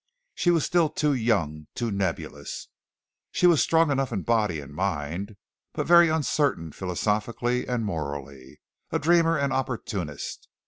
She was still too young, too nebulous. She was strong enough in body and mind, but very uncertain philosophically and morally a dreamer and opportunist.